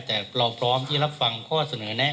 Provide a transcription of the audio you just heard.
แต่เราพร้อมที่รับฟังข้อเสนอแนะ